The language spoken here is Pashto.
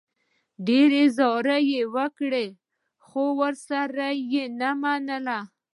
ډېرې زارۍ یې وکړې، خو ورسره و یې نه منله.